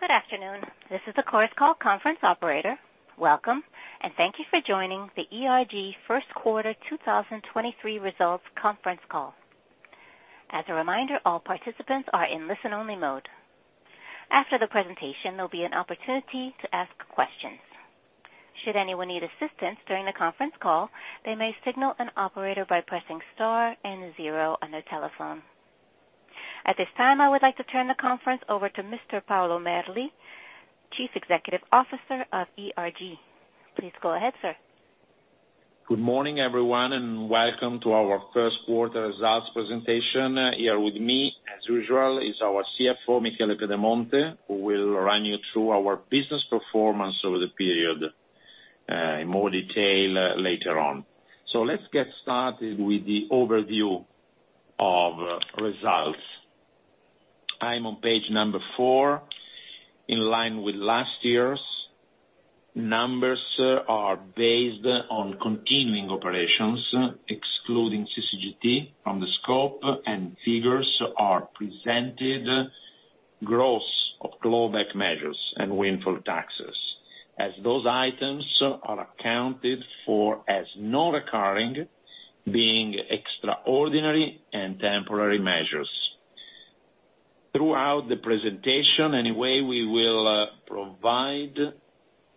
Good afternoon. This is the Chorus Call Conference Operator. Welcome, and thank you for joining the ERG Q1 2023 results conference call. As a reminder, all participants are in listen-only mode. After the presentation, there will be an opportunity to ask questions. Should anyone need assistance during the conference call, they may signal an operator by pressing star and zero on their telephone. At this time, I would like to turn the conference over to Mr. Paolo Merli, Chief Executive Officer of ERG. Please go ahead, sir. Good morning, everyone, and welcome to our first quarter results presentation. Here with me, as usual, is our CFO, Michele Pedemonte, who will run you through our business performance over the period in more detail later on. Let's get started with the overview of results. I'm on page number four, in line with last year's. Numbers are based on continuing operations, excluding CCGT from the scope, and figures are presented gross of clawback measures and windfall taxes, as those items are accounted for as non-recurring, being extraordinary and temporary measures. Throughout the presentation, anyway, we will provide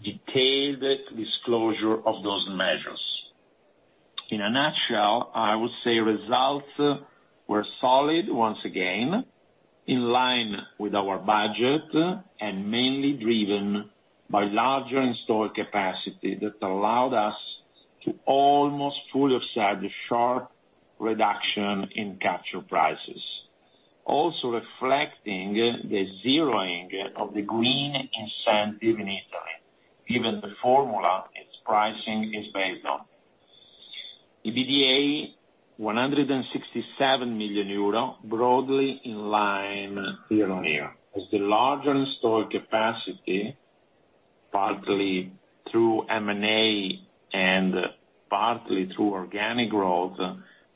detailed disclosure of those measures. In a nutshell, I would say results were solid once again, in line with our budget. Mainly driven by larger installed capacity that allowed us to almost fully offset the sharp reduction in capture prices, also reflecting the zeroing of the green incentive in Italy, given the formula its pricing is based on. EBITDA EUR 167 million, broadly in line year-over-year, as the larger installed capacity, partly through M&A and partly through organic growth,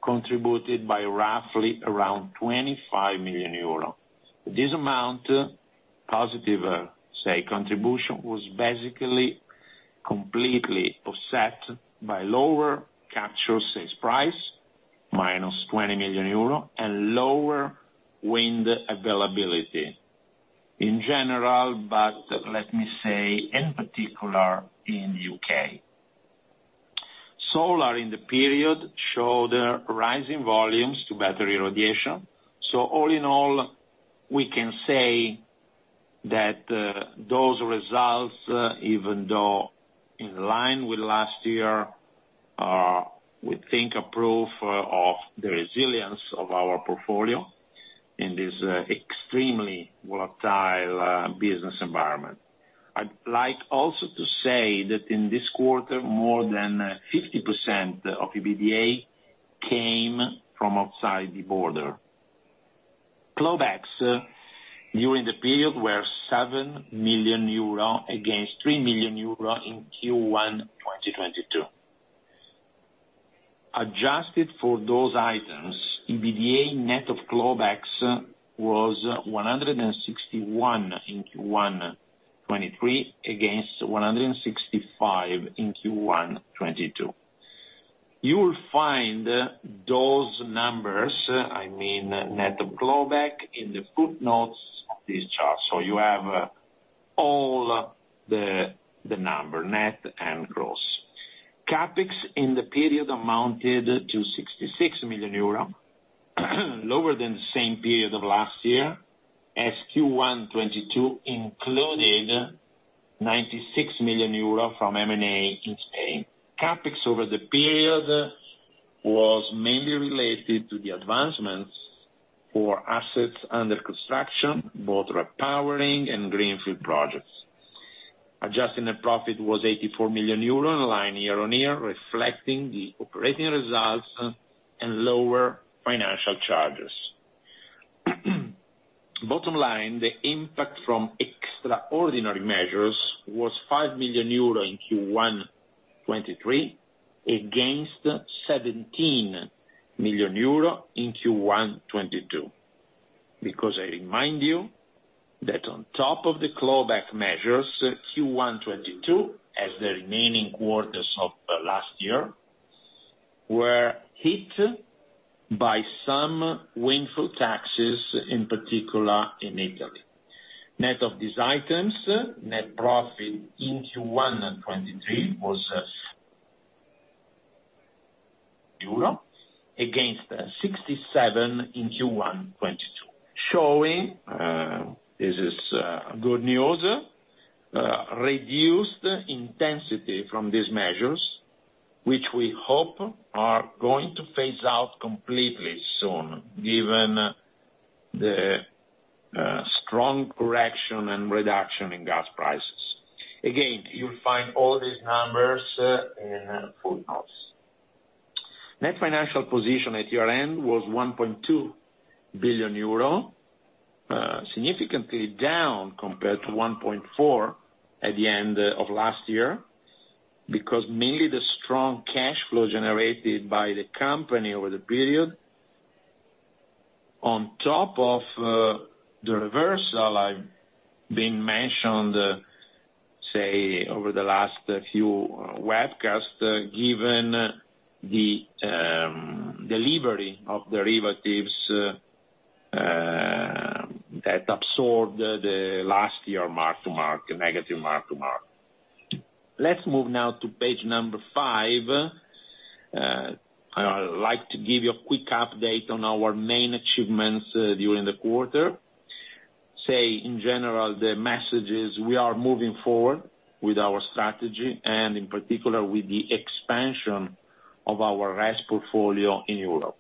contributed by roughly around 25 million euro. This amount, positive, say, contribution, was basically completely offset by lower capture sales price, -20 million euro. Lower wind availability in general, but let me say in particular in U.K. Solar in the period showed rising volumes to battery radiation. All in all, we can say that those results, even though in line with last year, are we think a proof of the resilience of our portfolio in this extremely volatile business environment. I'd like also to say that in this quarter, more than 50% of EBITDA came from outside the border. Clawbacks during the period were 7 million euro against 3 million euro in Q1 2022. Adjusted for those items, EBITDA net of clawbacks was 161 in Q1 2023, against 165 in Q1 2022. You will find those numbers, I mean net of clawback, in the footnotes of this chart. You have all the number, net and gross. CapEx in the period amounted to 66 million euro, lower than the same period of last year, as Q1 2022 included 96 million euro from M&A in Spain. CapEx over the period was mainly related to the advancements for assets under construction, both repowering and greenfield projects. Adjusted net profit was 84 million euro, in line year-on-year, reflecting the operating results and lower financial charges. Bottom line, the impact from extraordinary measures was 5 million euro in Q1 2023 against 17 million euro in Q1 2022, because I remind you that on top of the clawback measures, Q1 2022, as the remaining quarters of last year, were hit by some windfall taxes, in particular in Italy. Net of these items, net profit in Q1 2023 was Euro, against 67 in Q1 2022. Showing, this is good news, reduced intensity from these measures, which we hope are going to phase out completely soon, given the strong correction and reduction in gas prices. Again, you'll find all these numbers in the footnotes. Net financial position at year-end was 1.2 billion euro. Significantly down compared to 1.4 billion at the end of last year. Mainly the strong cash flow generated by the company over the period. On top of the reversal I've been mentioned, say, over the last few webcasts, given the delivery of derivatives that absorbed the last year mark-to-market, negative mark-to-market. Let's move now to page five. I would like to give you a quick update on our main achievements during the quarter. Say, in general, the message is we are moving forward with our strategy, and in particular, with the expansion of our RES portfolio in Europe.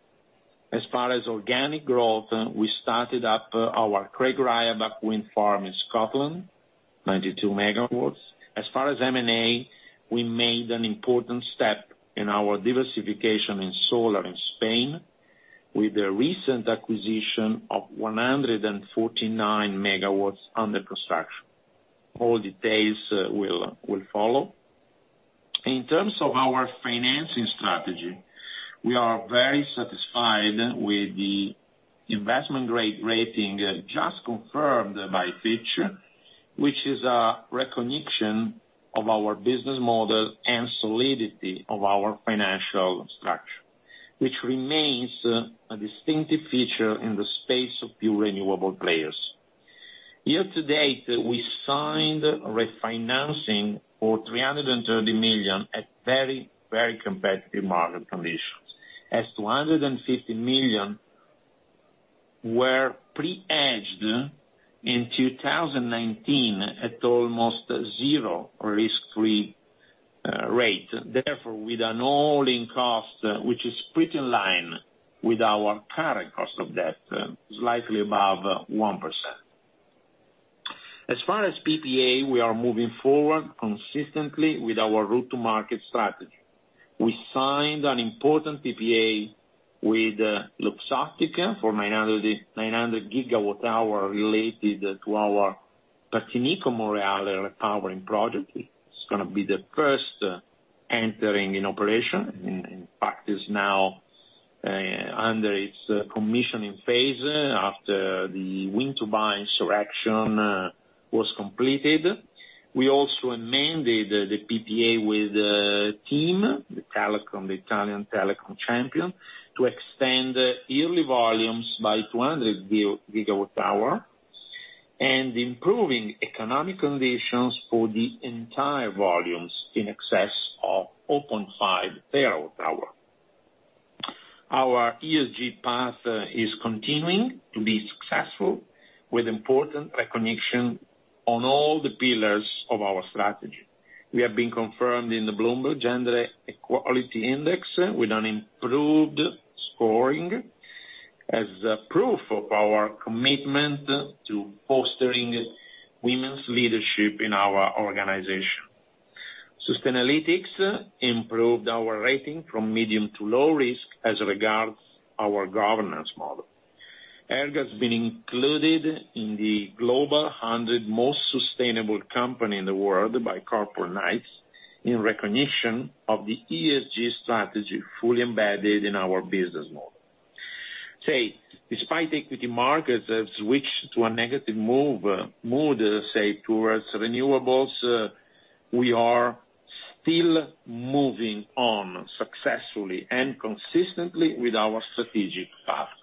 As far as organic growth, we started up our Creag Riabhach wind farm in Scotland, 92 MW. As far as M&A, we made an important step in our diversification in solar in Spain with the recent acquisition of 149 MW under construction. All details will follow. In terms of our financing strategy, we are very satisfied with the investment grade rating just confirmed by Fitch, which is a recognition of our business model and solidity of our financial structure, which remains a distinctive feature in the space of few renewable players. Year to date, we signed refinancing for 330 million at very, very competitive market conditions, as 250 million were pre-hedged in 2019 at almost zero risk-free rate. Therefore, with an all-in cost, which is pretty in line with our current cost of debt, slightly above 1%. As far as PPA, we are moving forward consistently with our route to market strategy. We signed an important PPA with Luxottica for 900 GWh related to our Partinico-Monreale repowering project. It's gonna be the first entering in operation. In fact, is now under its commissioning phase after the wind turbine erection was completed. We also amended the PPA with the TIM, the telecom, the Italian telecom champion, to extend yearly volumes by 200 GWh and improving economic conditions for the entire volumes in excess of 0.5 TWh. Our ESG path is continuing to be successful with important recognition on all the pillars of our strategy. We have been confirmed in the Bloomberg Gender-Equality Index with an improved scoring as a proof of our commitment to fostering women's leadership in our organization. Sustainalytics improved our rating from medium to low risk as regards our governance model. ERG's been included in the global 100 most sustainable company in the world by Corporate Knights in recognition of the ESG strategy fully embedded in our business model. Despite equity markets have switched to a negative mood, say, towards renewables, we are still moving on successfully and consistently with our strategic path.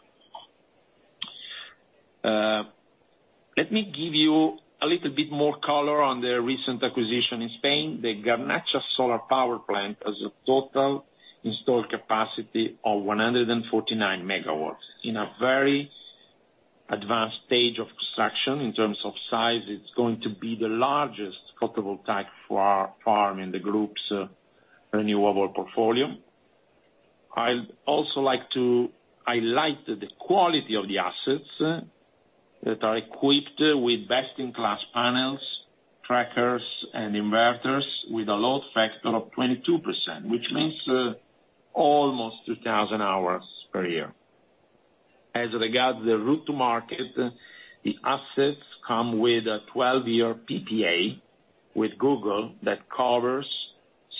Let me give you a little bit more color on the recent acquisition in Spain. The Garnacha Solar power plant has a total installed capacity of 149 MW. In a very advanced stage of construction. In terms of size, it's going to be the largest photovoltaic farm in the group's renewable portfolio. I'd also like to highlight the quality of the assets that are equipped with best-in-class panels, trackers, and inverters with a load factor of 22%, which means almost 2,000 hours per year. As regard the route to market, the assets come with a 12 year PPA with Google that covers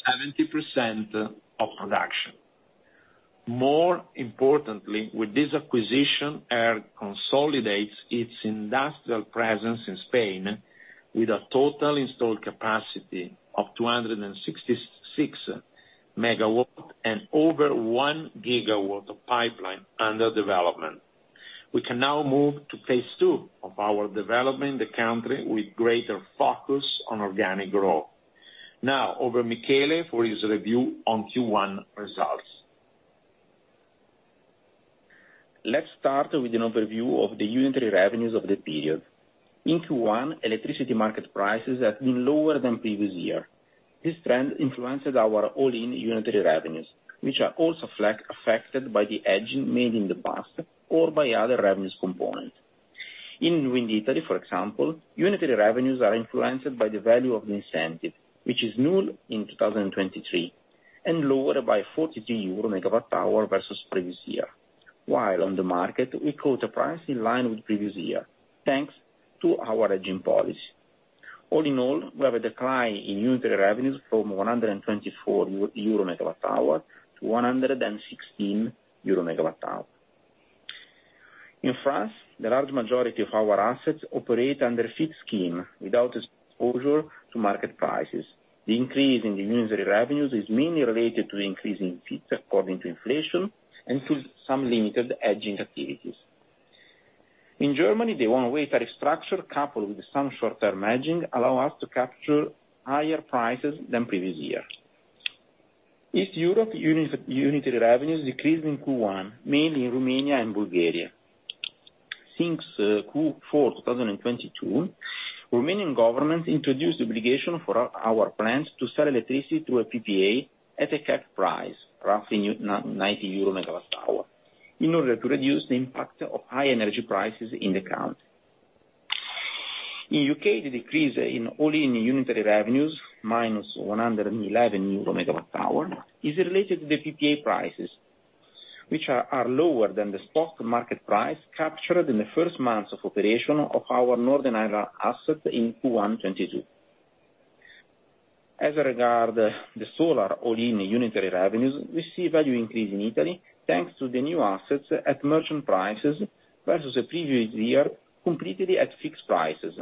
70% of production. More importantly, with this acquisition, ERG consolidates its industrial presence in Spain with a total installed capacity of 266 MW and over 1 GW of pipeline under development. We can now move to phase II of our development in the country with greater focus on organic growth. Now, over Michele for his review on Q1 results. Let's start with an overview of the unitary revenues of the period. In Q1, electricity market prices have been lower than previous year. This trend influences our all-in unitary revenues, which are also affected by the hedging made in the past or by other revenues component. In wind Italy, for example, unitary revenues are influenced by the value of the incentive, which is null in 2023, and lower by 42 euro MWh versus previous year. On the market, we quote a price in line with previous year, thanks to our hedging policy. All in all, we have a decline in unitary revenues from 124 euro MWh to 116 euro MWh. In France, the large majority of our assets operate under FiT scheme without exposure to market prices. The increase in the unitary revenues is mainly related to the increase in FiTs according to inflation and to some limited hedging activities. In Germany, the one restructure coupled with some short-term hedging, allow us to capture higher prices than previous years. East Europe unit, unitary revenues decreased in Q1, mainly in Romania and Bulgaria. Since Q4 2022, Romanian government introduced the obligation for our plants to sell electricity to a PPA at a capped price, roughly 90 euro megawatt hour, in order to reduce the impact of high energy prices in the country. In U.K., the decrease in all-in unitary revenues, minus 111 euro MWh, is related to the PPA prices, which are lower than the spot market price captured in the first months of operation of our Northern Ireland asset in Q1 2022. As regard the solar all-in unitary revenues, we see value increase in Italy, thanks to the new assets at merchant prices, versus the previous year, completely at fixed prices.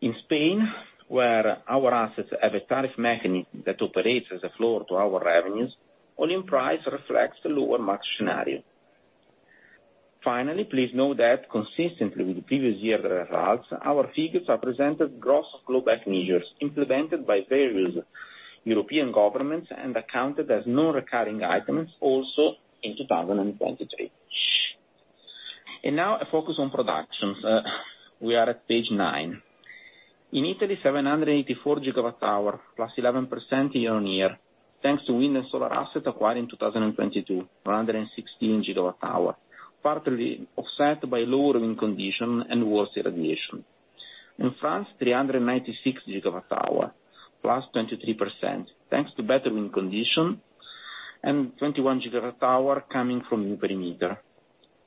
In Spain, where our assets have a tariff mechanism that operates as a floor to our revenues, all-in price reflects the lower max scenario. Finally, please note that consistently with the previous year results, our figures have presented gross global measures implemented by various European governments and accounted as non-recurring items also in 2023. Now a focus on productions. We are at page nine. In Italy, 784 GWh, +11% year-on-year, thanks to wind and solar asset acquired in 2022, 116 GWh, partly offset by lower wind condition and worse irradiation. In France, 396 GWh, +23%, thanks to better wind condition, and 21 GWh coming from new perimeter.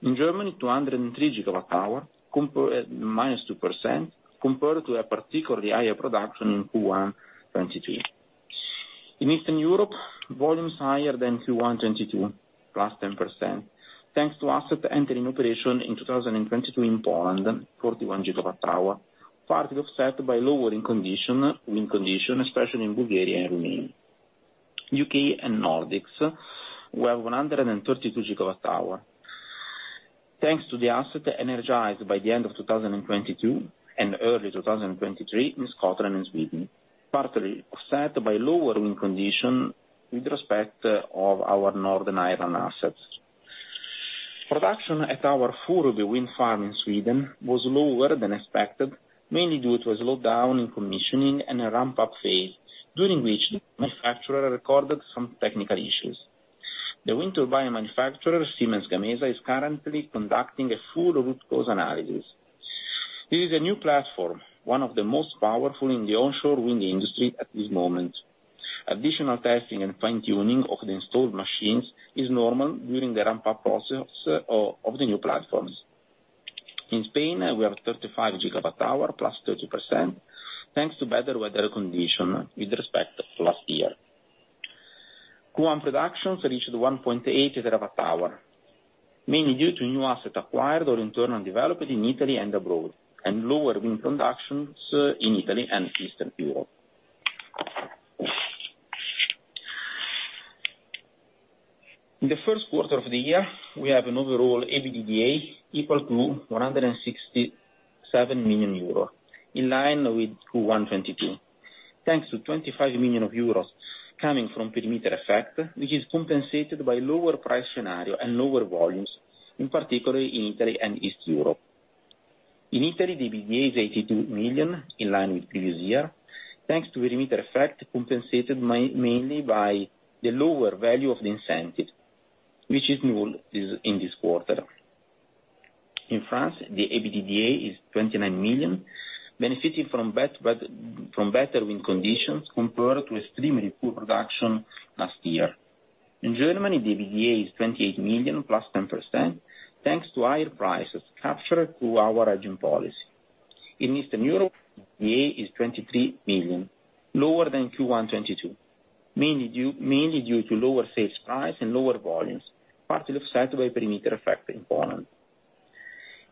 In Germany, 203 GWh, -2%, compared to a particularly higher production in Q1 2022. In Eastern Europe, volumes higher than Q1 2022, +10%, thanks to asset entering operation in 2022 in Poland, 41 GWh, partly offset by lower wind condition, especially in Bulgaria and Romania. U.K. and Nordics, we have 132 GWh, thanks to the asset energized by the end of 2022 and early 2023 in Scotland and Sweden, partly offset by lower wind condition with respect of our Northern Ireland assets. Production at our Furuby wind farm in Sweden was lower than expected, mainly due to a slowdown in commissioning and a ramp-up phase, during which the manufacturer recorded some technical issues. The wind turbine manufacturer, Siemens Gamesa, is currently conducting a full root cause analysis. This is a new platform, one of the most powerful in the onshore wind industry at this moment. Additional testing and fine-tuning of the installed machines is normal during the ramp-up process of the new platforms. In Spain, we have 35 GWh, +30%, thanks to better weather condition with respect to last year. Q1 productions reached 1.8 TWh, mainly due to new asset acquired or internal development in Italy and abroad, and lower wind productions in Italy and Eastern Europe. In the first quarter of the year, we have an overall EBITDA equal to 167 million euros, in line with Q1 2022. Thanks to 25 million euros coming from perimeter effect, which is compensated by lower price scenario and lower volumes, in particular in Italy and East Europe. In Italy, the EBITDA is 82 million, in line with previous year, thanks to perimeter effect compensated mainly by the lower value of the incentive, which is null this, in this quarter. In France, the EBITDA is 29 million, benefiting from better wind conditions compared to extremely poor production last year. In Germany, the EBITDA is 28 million, +10%, thanks to higher prices captured through our hedging policy. In Eastern Europe, the EBITDA is 23 million, lower than Q1 2022, mainly due to lower sales price and lower volumes, partly offset by perimeter effect in Poland.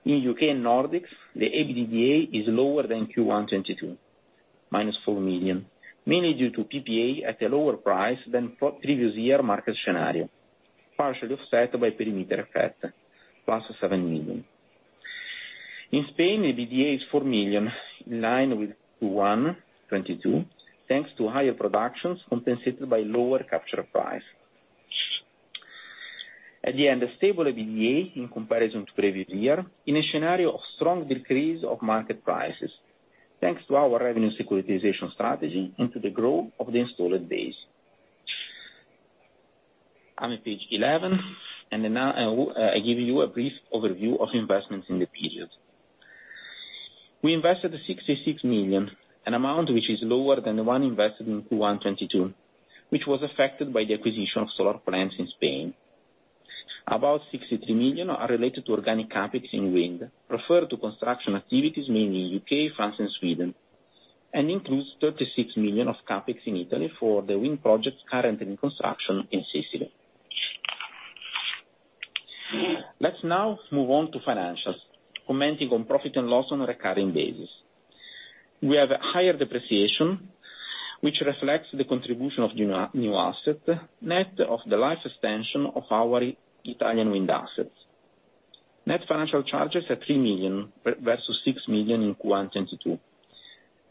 In UK and Nordics, the EBITDA is lower than Q1 2022, -4 million, mainly due to PPA at a lower price than previous year market scenario, partially offset by perimeter effect, +7 million. In Spain, EBITDA is 4 million, in line with Q1 2022, thanks to higher productions compensated by lower capture price. At the end, a stable EBITDA in comparison to previous year, in a scenario of strong decrease of market prices, thanks to our revenue securitization strategy into the growth of the installed base. I'm at page 11. Now I give you a brief overview of investments in the period. We invested 66 million, an amount which is lower than the one invested in Q1 2022, which was affected by the acquisition of solar plants in Spain. About 63 million are related to organic CapEx in wind, referred to construction activities mainly in U.K., France and Sweden, and includes 36 million of CapEx in Italy for the wind projects currently in construction in Sicily. Let's now move on to financials, commenting on profit and loss on a recurring basis. We have higher depreciation, which reflects the contribution of new asset, net of the life extension of our Italian wind assets. Net financial charges at 3 million, versus 6 million in Q1 2022,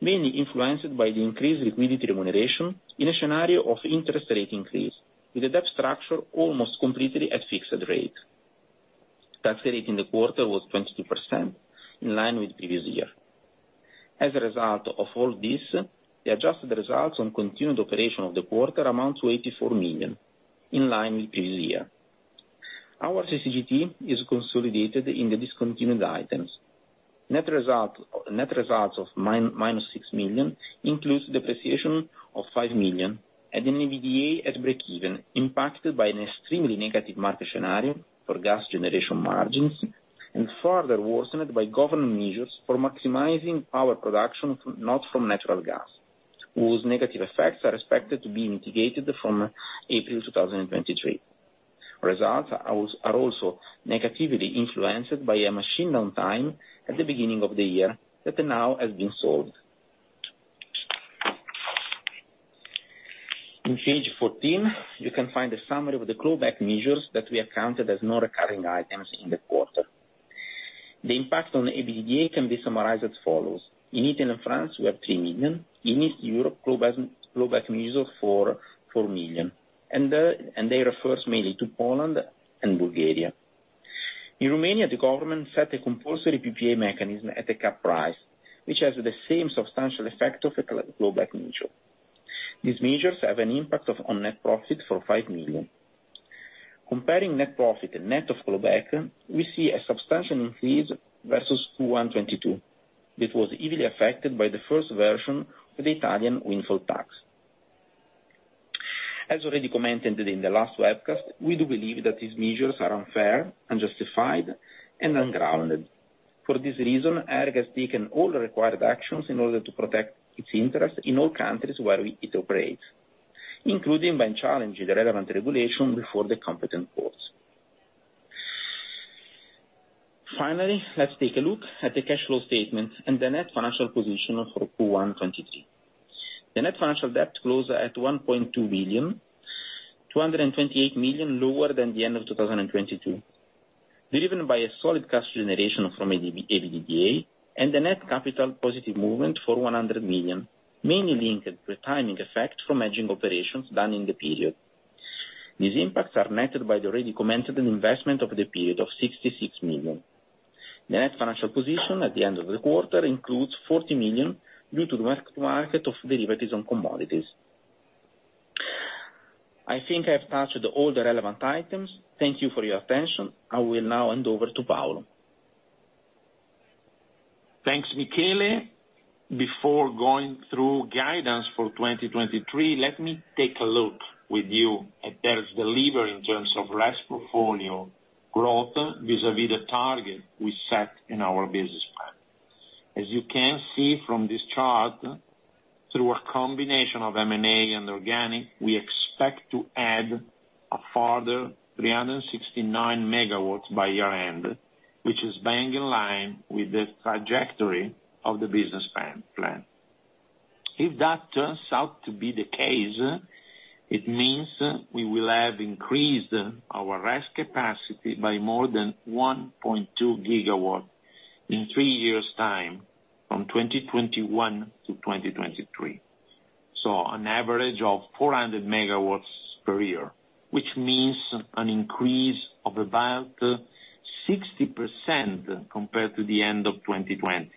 mainly influenced by the increased liquidity remuneration in a scenario of interest rate increase, with the debt structure almost completely at fixed rate. Tax rate in the quarter was 22%, in line with previous year. As a result of all this, the adjusted results on continued operation of the quarter amounts to 84 million, in line with previous year. Our CCGT is consolidated in the discontinued items. Net results of minus 6 million includes depreciation of 5 million, and an EBITDA at breakeven, impacted by an extremely negative market scenario for gas generation margins, and further worsened by government measures for maximizing power production not from natural gas, whose negative effects are expected to be mitigated from April 2023. Results are also negatively influenced by a machine downtime at the beginning of the year, that now has been solved. On page 14, you can find a summary of the clawback measures that we have counted as non-recurring items in the quarter. The impact on the EBITDA can be summarized as follows. In Italy and France, we have 3 million. In East Europe, clawback measures of 4 million, and they refers mainly to Poland and Bulgaria. In Romania, the government set a compulsory PPA mechanism at a cap price, which has the same substantial effect of a clawback measure. These measures have an impact of on net profit for 5 million. Comparing net profit and net of clawback, we see a substantial increase versus Q1 2022, which was easily affected by the first version of the Italian windfall tax. As already commented in the last webcast, we do believe that these measures are unfair, unjustified, and ungrounded. For this reason, ERG has taken all the required actions in order to protect its interests in all countries where it operates, including by challenging the relevant regulation before the competent courts. Finally, let's take a look at the cash flow statement and the net financial position for Q1 2023. The net financial debt closed at 1.2 billion, 228 million lower than the end of 2022, driven by a solid cash generation from EBITDA, and a net capital positive movement for 100 million, mainly linked to a timing effect from hedging operations done in the period. These impacts are netted by the already commented investment over the period of 66 million. The net financial position at the end of the quarter includes 40 million, due to the mark-to-market of derivatives on commodities. I think I've touched all the relevant items. Thank you for your attention. I will now hand over to Paolo. Thanks, Michele. Before going through guidance for 2023, let me take a look with you at ERG's delivery in terms of RES portfolio growth vis-a-vis the target we set in our business plan. You can see from this chart, through a combination of M&A and organic, we expect to add a further 369 MW by year-end, which is bang in line with the trajectory of the business plan. That turns out to be the case, it means we will have increased our RES capacity by more than 1.2 GW in three years' time, from 2021 to 2023. An average of 400 MW per year, which means an increase of about 60% compared to the end of 2020,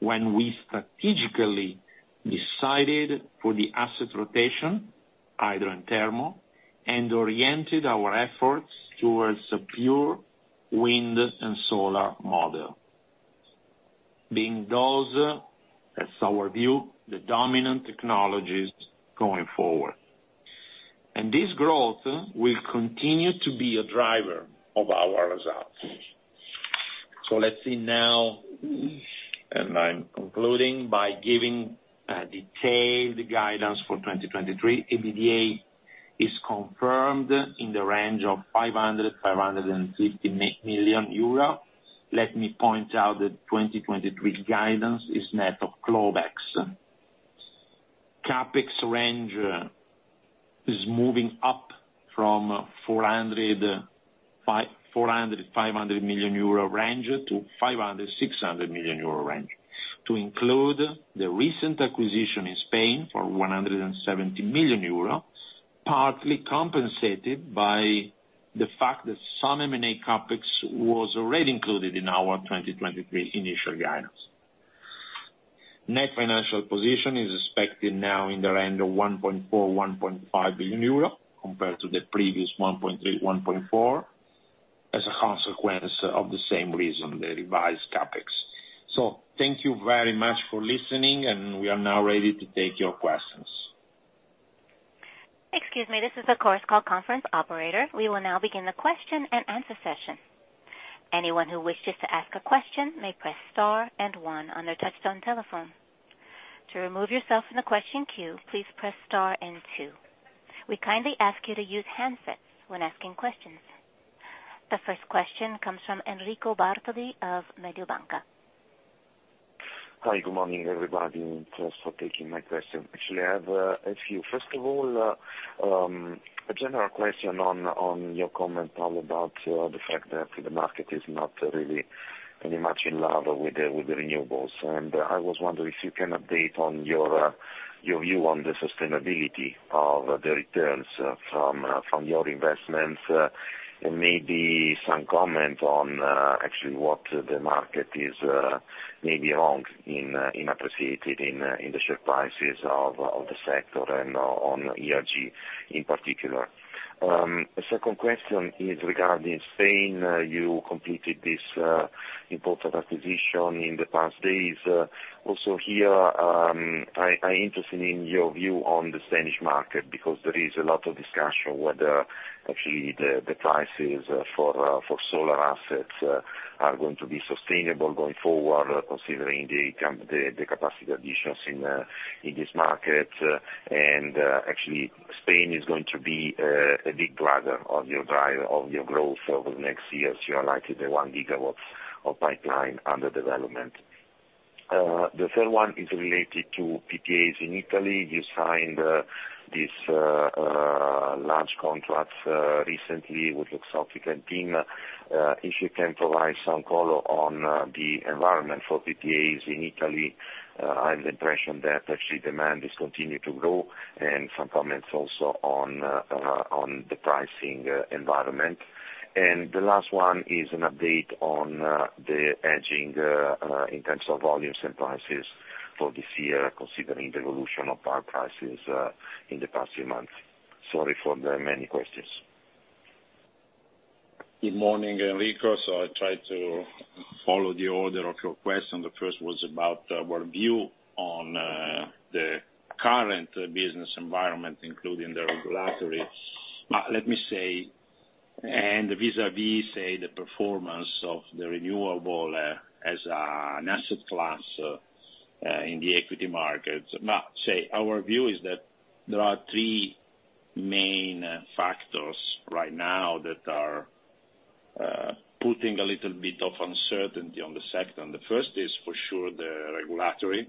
when we strategically decided for the asset rotation, hydro and thermal, and oriented our efforts towards a pure wind and solar model, being those, that's our view, the dominant technologies going forward. This growth will continue to be a driver of our results. Let's see now, and I'm concluding, by giving a detailed guidance for 2023. EBITDA is confirmed in the range of 500 million-550 million euro. Let me point out that 2023 guidance is net of clawbacks. CapEx range is moving up from 400 million-500 million euro range, to 500 million-600 million euro range, to include the recent acquisition in Spain for 170 million euro, partly compensated by the fact that some M&A CapEx was already included in our 2023 initial guidance. Net financial position is expected now in the range of 1.4 billion-1.5 billion euro, compared to the previous 1.3 billion-1.4 billion. As a consequence of the same reason, the revised CapEx. Thank you very much for listening, and we are now ready to take your questions. Excuse me. This is the Chorus Call conference operator. We will now begin the question and answer session. Anyone who wishes to ask a question may press star one on their touch-tone telephone. To remove yourself from the question queue, please press star two. We kindly ask you to use handsets when asking questions. The first question comes from Enrico Bartoli of Mediobanca. Hi, good morning, everybody. Thanks for taking my question. Actually, I have a few. First of all, a general question on your comment, Paolo, about the fact that the market is not really very much in love with the renewables. I was wondering if you can update on your view on the sustainability of the returns from your investments, and maybe some comment on actually what the market is maybe wrong in appreciating in the share prices of the sector and on ERG in particular? The second question is regarding Spain. You completed this important acquisition in the past days. Also here, I'm interested in your view on the Spanish market because there is a lot of discussion whether actually the prices for solar assets are going to be sustainable going forward, considering the capacity additions in this market. Actually Spain is going to be a big driver of your growth over the next years, you highlighted the 1 GW of pipeline under development? The third one is related to PPAs in Italy. You signed this large contract recently with Luxottica team. If you can provide some color on the environment for PPAs in Italy. I have the impression that actually demand is continued to grow, and some comments also on the pricing environment? The last one is an update on the hedging in terms of volumes and prices for this year, considering the evolution of power prices in the past few months. Sorry for the many questions. Good morning, Enrico. I try to follow the order of your question. The first was about our view on the current business environment, including the regulatory. Let me say, and vis-à-vis, say, the performance of the renewable as an asset class in the equity markets. Now, say, our view is that there are three main factors right now that are putting a little bit of uncertainty on the sector. The first is for sure the regulatory,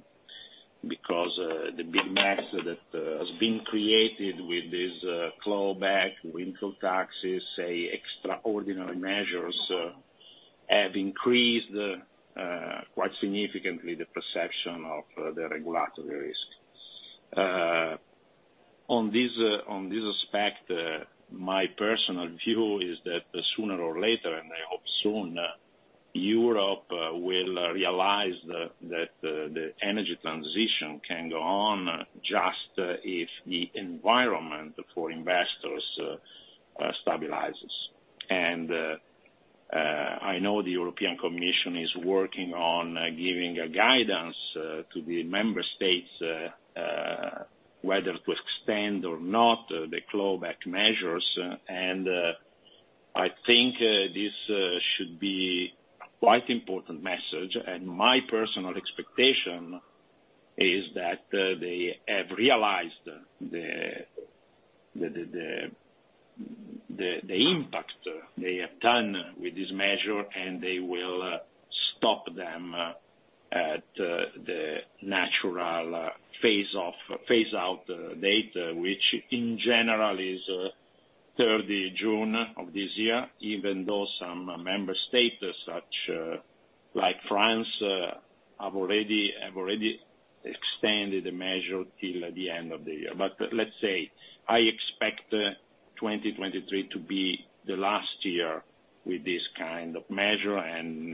because the big mess that has been created with this clawback, windfall taxes, say, extraordinary measures, have increased quite significantly the perception of the regulatory risk. On this, on this aspect, my personal view is that sooner or later, and I hope soon, Europe will realize that the energy transition can go on just if the environment for investors stabilizes. I know the European Commission is working on giving a guidance to the member states whether to extend or not the clawback measures. I think this should be quite important message. My personal expectation is that they have realized the impact they have done with this measure, and they will stop them at the natural phase out date, which in general is 3rd June of this year, even though some member states such like France have already extended the measure till the end of the year. Let's say I expect 2023 to be the last year with this kind of measure, and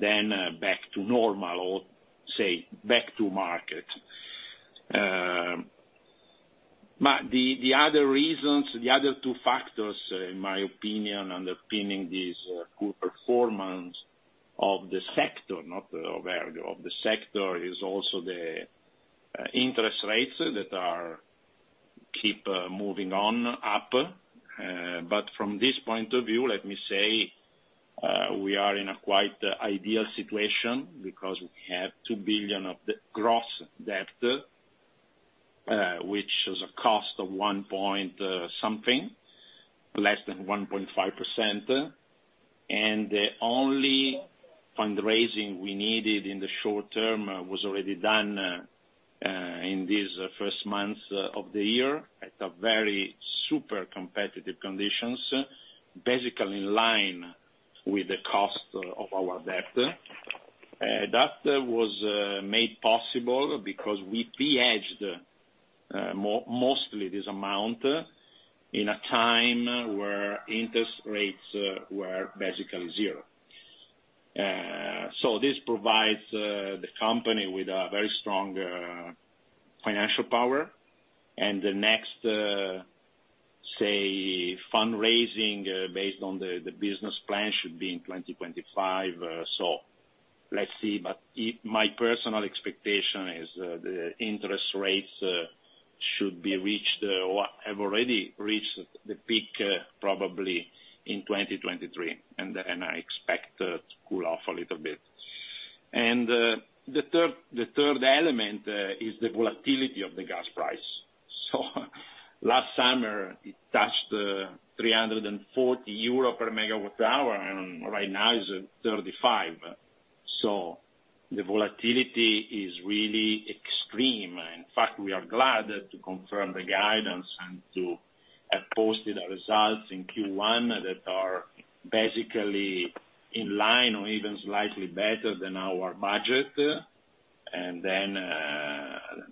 then back to normal or, say, back to market. The other reasons, the other two factors, in my opinion, underpinning this poor performance of the sector, not of ERG, of the sector, is also the interest rates that are keep moving on up. From this point of view, let me say, we are in a quite ideal situation because we have 2 billion of the gross debt, which is a cost of one point something, less than 1.5%. The only fundraising we needed in the short term was already done in this 1st month of the year at a very super competitive conditions, basically in line with the cost of our debt. That was made possible because we pre-hedged mostly this amount in a time where interest rates were basically zero. This provides the company with a very strong financial power. The next, say, fundraising, based on the business plan should be in 2025, let's see. My personal expectation is, the interest rates should be reached or have already reached the peak probably in 2023, I expect to cool off a little bit. The third element is the volatility of the gas price. Last summer, it touched 340 euro per MWh, and right now is 35. The volatility is really extreme. In fact, we are glad to confirm the guidance and to have posted our results in Q1 that are basically in line or even slightly better than our budget. The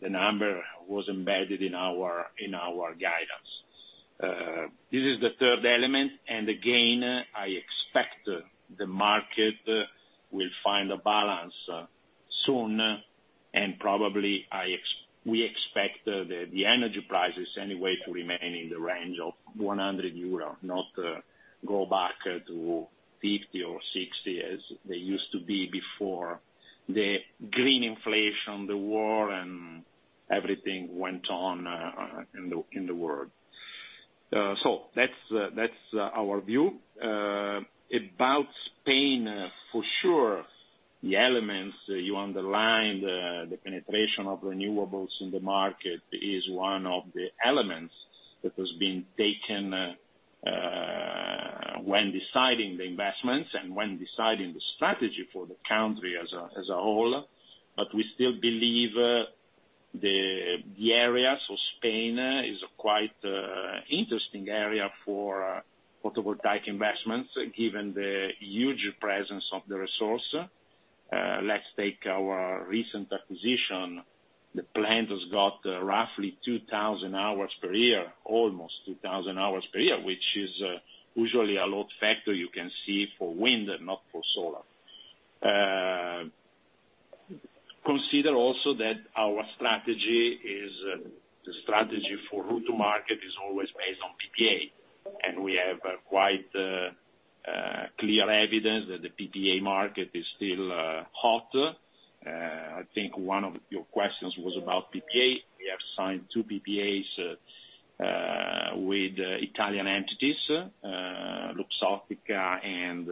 number was embedded in our guidance. This is the third element, and again, I expect the market will find a balance soon. Probably we expect the energy prices anyway to remain in the range of 100 euro, not go back to 50 or 60 as they used to be before the green inflation, the war, and everything went on in the world. That's our view. About Spain, for sure, the elements you underlined, the penetration of renewables in the market is one of the elements that has been taken when deciding the investments and when deciding the strategy for the country as a whole. We still believe the areas of Spain is quite interesting area for photovoltaic investments, given the huge presence of the resource. Let's take our recent acquisition. The plant has got roughly 2,000 hours per year, almost 2,000 hours per year, which is usually a load factor you can see for wind and not for solar. Consider also that our strategy is the strategy for route to market is always based on PPA, and we have quite clear evidence that the PPA market is still hot. I think one of your questions was about PPA. We have signed two PPAs with Italian entities, Luxottica and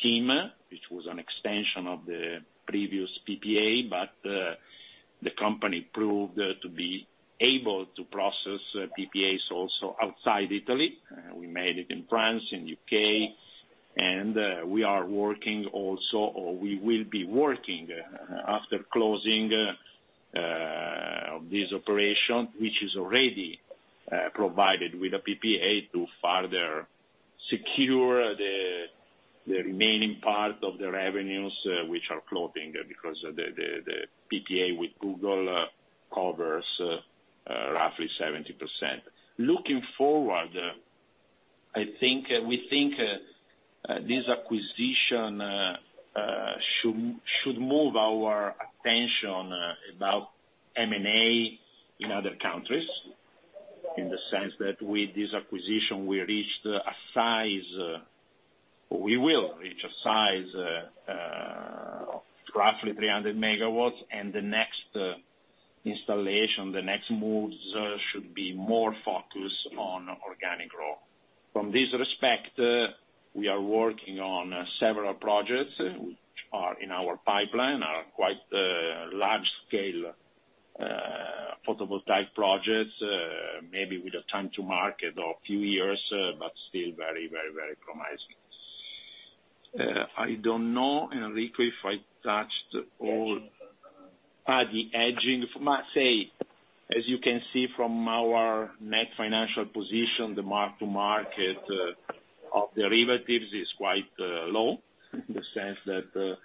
TIM, which was an extension of the previous PPA, but the company proved to be able to process PPAs also outside Italy. We made it in France, in U.K., and we are working also, or we will be working after closing this operation, which is already provided with a PPA to further secure the remaining part of the revenues which are floating because the PPA with Google covers roughly 70%. Looking forward, I think, we think, this acquisition should move our attention about M&A in other countries, in the sense that with this acquisition We will reach a size of roughly 300 MW, and the next installation, the next moves should be more focused on organic growth. From this respect, we are working on several projects which are in our pipeline, are quite large scale photovoltaic projects, maybe with a time to market of few years, but still very, very, very promising. I don't know, Enrico, if I touched? The hedging. As you can see from our net financial position, the mark-to-market of derivatives is quite low, in the sense that the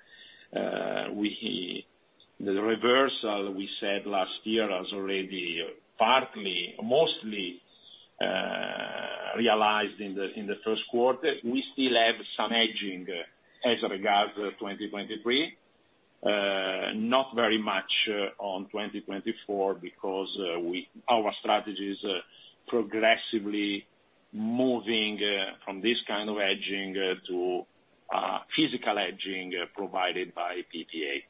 reversal we said last year has already partly, mostly, realized in the 1st quarter. We still have some hedging as regards 2023. Not very much on 2024 because our strategy is progressively moving from this kind of hedging to physical hedging provided by PPA.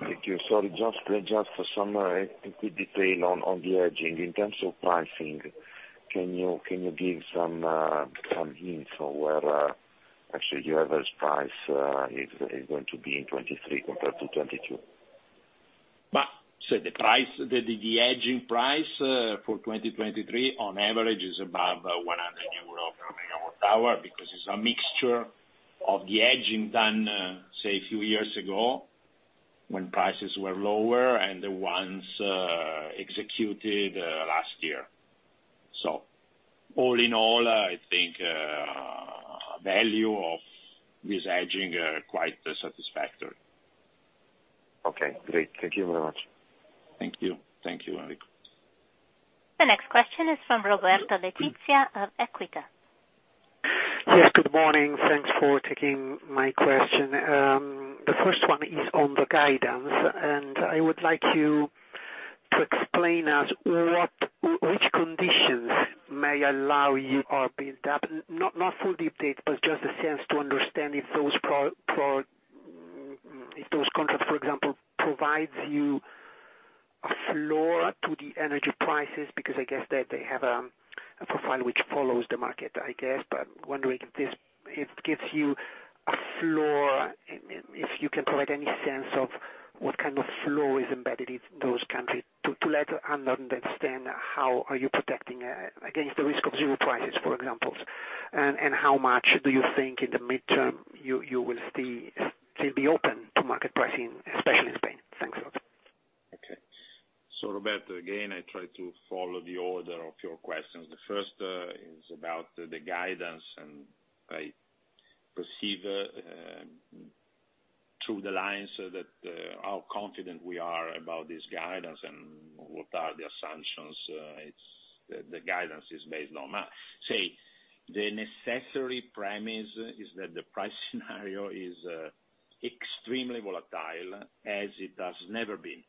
Thank you. Sorry, just for some quick detail on the hedging. In terms of pricing, can you give some hints on where actually your average price is going to be in 2023 compared to 2022? The hedging price for 2023 on average is above 100 euro per MWh because it's a mixture of the hedging done, say a few years ago when prices were lower and the ones executed last year. All in all, I think value of this hedging are quite satisfactory. Okay, great. Thank you very much. Thank you. Thank you, Enrico. The next question is from Roberto Letizia of Equita. Yes, good morning. Thanks for taking my question. The first one is on the guidance. I would like you to explain us which conditions may allow you or build up, not full deep date, but just a sense to understand if those contracts, for example, provides you a floor to the energy prices. I guess that they have a profile which follows the market, I guess. I'm wondering if it gives you a floor, and if you can provide any sense of what kind of floor is embedded in those countries to let us understand how are you protecting against the risk of zero prices, for example. How much do you think in the midterm you will stay, still be open to market pricing, especially in Spain? Thanks a lot. Okay. Roberto, again, I try to follow the order of your questions. The first is about the guidance, and I perceive through the lines that how confident we are about this guidance and what are the assumptions the guidance is based on. Say, the necessary premise is that the price scenario is extremely volatile, as it has never been.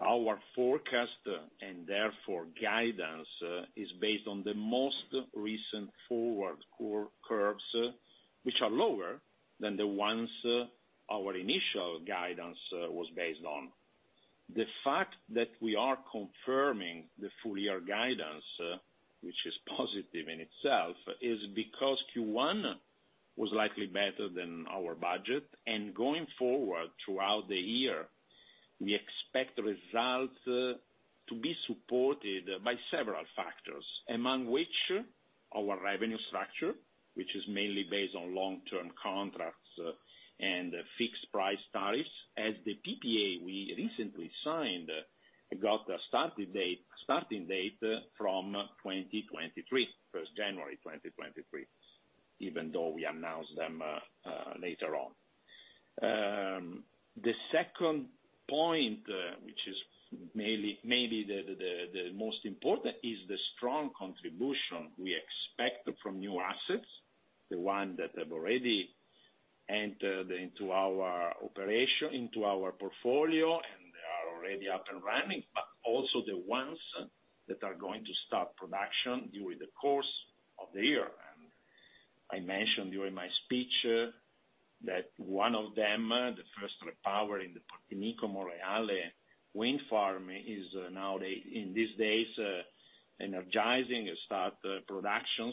Our forecast, and therefore guidance, is based on the most recent forward curves, which are lower than the ones our initial guidance was based on. The fact that we are confirming the full year guidance, which is positive in itself, is because Q1 was likely better than our budget. Going forward throughout the year, we expect results to be supported by several factors, among which our revenue structure, which is mainly based on long-term contracts and fixed price tariffs. As the PPA we recently signed got a starting date from 2023, 1st January 2023, even though we announced them later on. The second point, which is maybe the most important, is the strong contribution we expect from new assets, the one that have already entered into our portfolio, and they are already up and running. Also the ones that are going to start production during the course of the year. I mentioned during my speech that one of them, the first repowering, the Partinico-Monreale wind farm, is now, in these days, energizing and start production.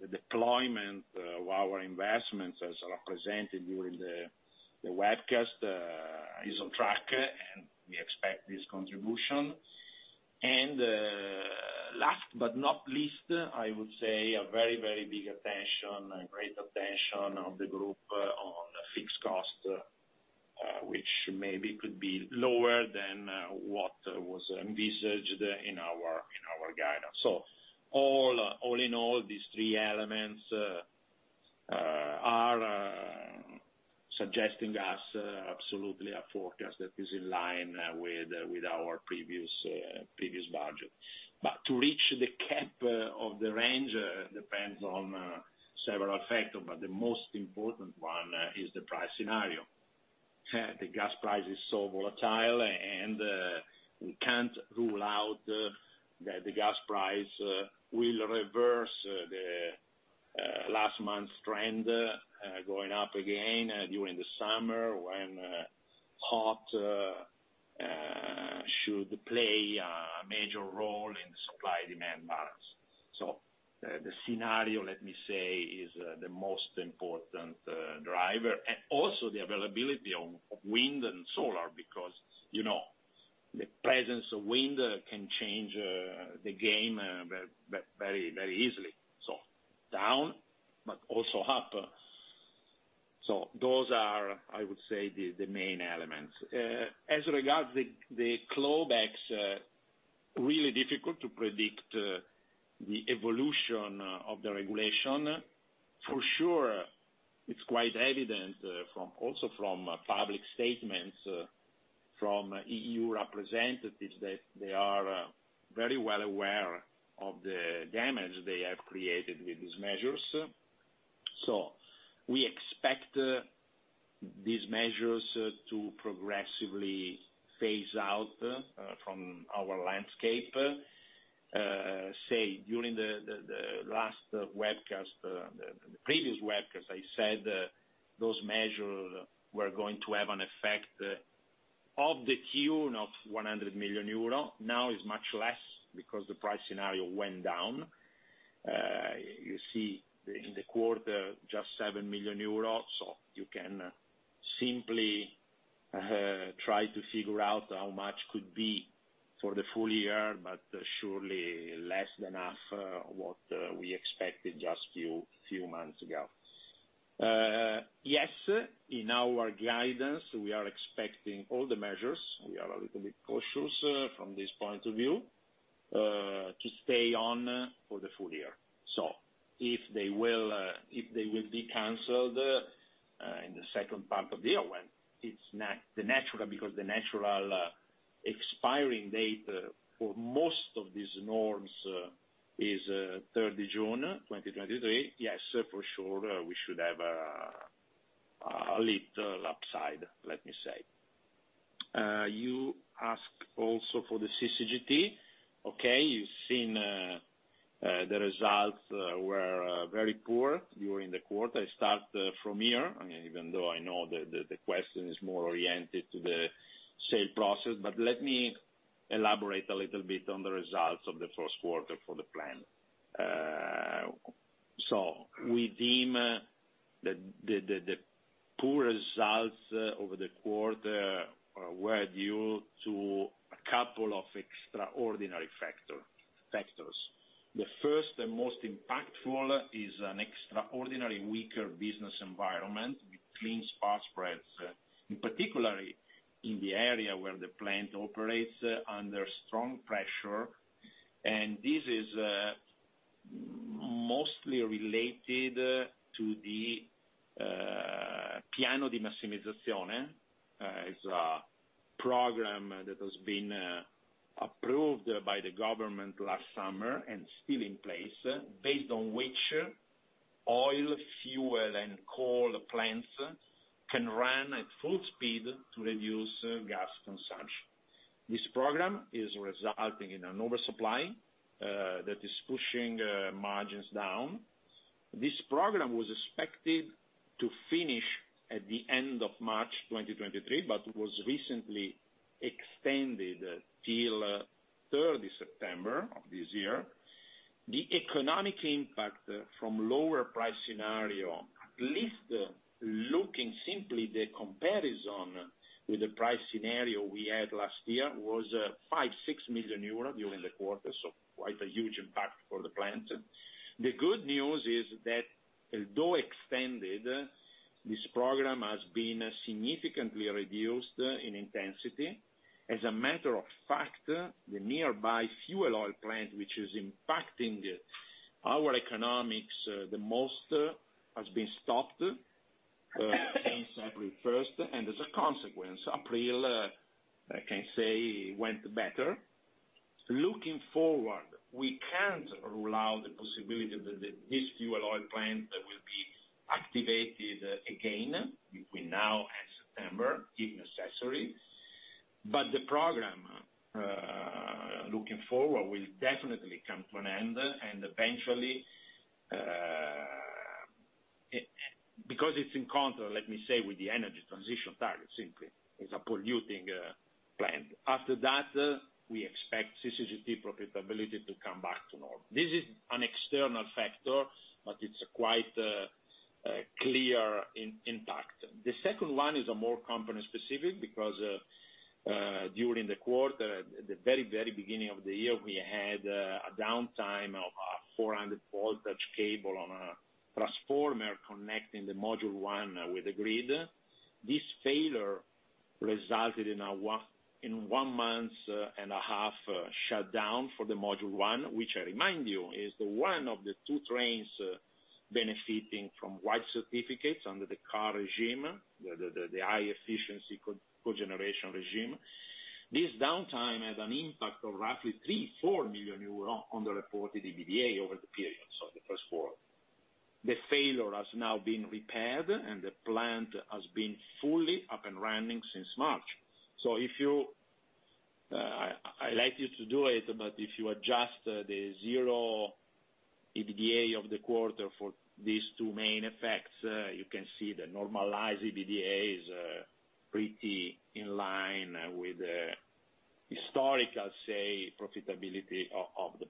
The deployment of our investments, as represented during the webcast, is on track, and we expect this contribution. Last but not least, I would say a very, very big attention, a great attention of the group on fixed cost, which maybe could be lower than what was envisaged in our guidance. All in all, these three elements are suggesting us absolutely a forecast that is in line with our previous budget. To reach the cap of the range depends on several factors, but the most important one is the price scenario. The gas price is so volatile. We can't rule out that the gas price will reverse the last month's trend, going up again during the summer when hot should play a major role in supply-demand balance. The scenario, let me say, is the most important driver. Also the availability of wind and solar, because, you know, the presence of wind can change the game very, very easily. Down, but also up. Those are, I would say, the main elements. As regards the clawbacks, really difficult to predict the evolution of the regulation. For sure, it's quite evident also from public statements from EU representatives, that they are very well aware of the damage they have created with these measures. We expect these measures to progressively phase out from our landscape. Say, during the last webcast, the previous webcast, I said those measures were going to have an effect of the tune of 100 million euro. Now it's much less because the price scenario went down. You see in the quarter, just 7 million euros. You can simply try to figure out how much could be for the full year, but surely less than half what we expected just few months ago. Yes, in our guidance, we are expecting all the measures. We are a little bit cautious from this point of view, to stay on for the full year. If they will, if they will be canceled in the second part of the year, when it's the natural, because the natural expiring date for most of these norms is third of June 2023. For sure, we should have a little upside, let me say. You ask also for the CCGT. Okay. You've seen the results were very poor during the quarter. I start from here, I mean, even though I know the question is more oriented to the sale process, but let me elaborate a little bit on the results of the first quarter for the plan. We deem the poor results over the quarter were due to a couple of extraordinary factors. The first and most impactful is an extraordinary weaker business environment between spot spreads, in particular, in the area where the plant operates, under strong pressure. This is mostly related to the Piano di massimizzazione. It's a program that has been approved by the government last summer and still in place, based on which oil, fuel, and coal plants can run at full speed to reduce gas consumption. This program is resulting in an oversupply that is pushing margins down. This program was expected to finish at the end of March 2023, but was recently extended till third of September of this year. The economic impact from lower price scenario, at least looking simply the comparison with the price scenario we had last year, was 5-6 million euros during the quarter, quite a huge impact for the plant. The good news is that although extended, this program has been significantly reduced in intensity. As a matter of fact, the nearby fuel oil plant, which is impacting our economics the most, has been stopped since April 1st, as a consequence, April I can say went better. Looking forward, we can't rule out the possibility that this fuel oil plant will be activated again between now and September, if necessary. The program looking forward, will definitely come to an end, and eventually. Because it's in contra, let me say, with the energy transition target, simply, it's a polluting plant. After that, we expect CCGT profitability to come back to normal. This is an external factor, but it's quite clear in impact. The second one is more company specific, because during the quarter, at the very, very beginning of the year, we had a downtime of a 400 voltage cable on a transformer connecting the module one with the grid. This failure resulted in 1.5 months shutdown for the module one, which I remind you, is the one of the two trains benefiting from White Certificates under the CAR regime, the high efficiency cogeneration regime. This downtime had an impact of roughly 3 million-4 million euros on the reported EBITDA over the period, so the first quarter. The failure has now been repaired, and the plant has been fully up and running since March. If you, I like you to do it, but if you adjust the zero EBITDA of the quarter for these two main effects, you can see the normalized EBITDA is pretty in line with the historical, say, profitability of the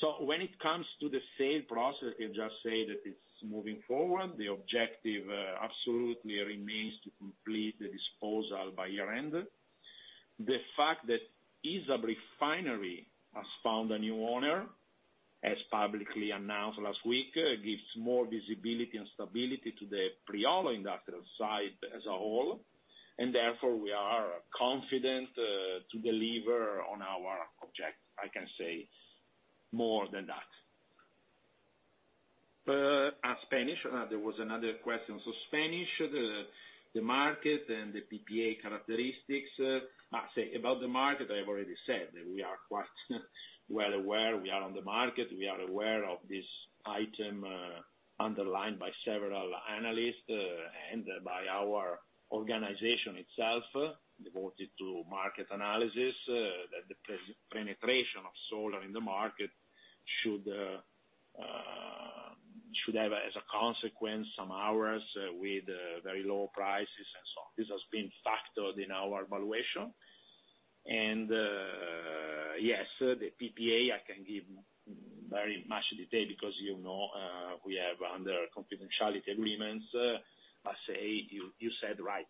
plan. When it comes to the sale process, I just say that it's moving forward. The objective absolutely remains to complete the disposal by year-end. The fact that ISAB Refinery has found a new owner, as publicly announced last week, gives more visibility and stability to the Priolo industrial site as a whole, and therefore, we are confident to deliver on our object, I can say more than that. Spanish, there was another question. Spanish, the market and the PPA characteristics. I say, about the market, I have already said that we are quite well aware, we are on the market, we are aware of this item, underlined by several analysts, and by our organization itself, devoted to market analysis, that the penetration of solar in the market should have as a consequence some hours with very low prices and so on. This has been factored in our valuation. Yes, the PPA, I can give very much detail because you know, we are under confidentiality agreements. I say, you said right.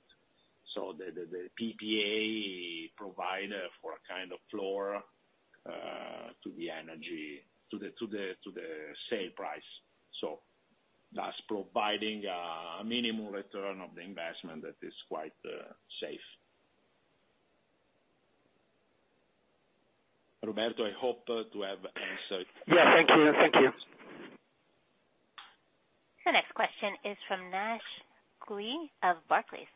The PPA provide for a kind of floor to the energy, to the sale price. Thus providing a minimal return of the investment that is quite safe. Roberto, I hope to have answered. Yeah. Thank you. Thank you. The next question is from Naisheng Cui of Barclays.